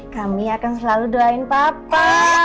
kami akan selalu doain papa